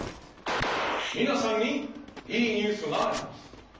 みなさんにいいニュースがあります。